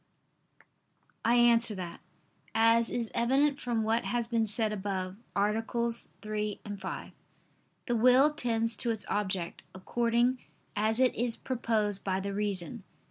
I answer that, As is evident from what has been said above (AA. 3, 5), the will tends to its object, according as it is proposed by the reason.